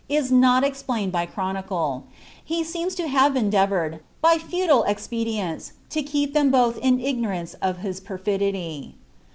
is not explained by chronicle ; he seems to have endeavoured, by (•tile expeilienis, to keep them both in ignorance of his perfidy.